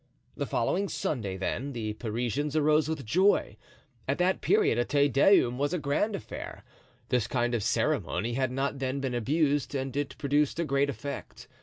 The following Sunday, then, the Parisians arose with joy; at that period a Te Deum was a grand affair; this kind of ceremony had not then been abused and it produced a great effect.